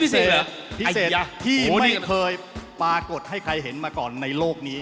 พิเศษพิเศษที่ไม่เคยปรากฏให้ใครเห็นมาก่อนในโลกนี้